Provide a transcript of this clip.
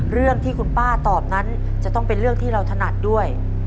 เรื่องที่คุณป้าตอบนั้นจะต้องเป็นเรื่องที่เราถนัดด้วย